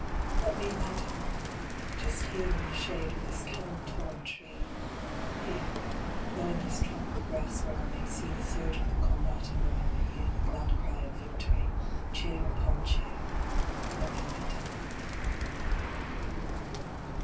JL<ET me lie down ! Just here in the shade of this cannon torn tree Here, low in this trampled grass, where I may see The surge of the combat, and where I may hear The glad cry of victory, cheer upon cheer, Let me lie down.